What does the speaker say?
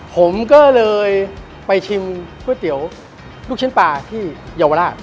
ผมก็เลยไปชิมก๋วยเตี๋ยวลูกชิ้นปลาที่เยาวราช